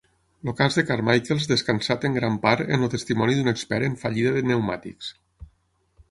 El cas de Carmichaels descansat en gran part en el testimoni d'un expert en fallida de pneumàtics.